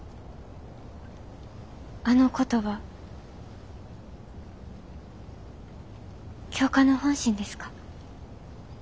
あの言葉教官の本心ですか？